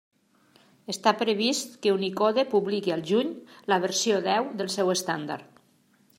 Està previst que Unicode publiqui al juny la versió deu del seu estàndard.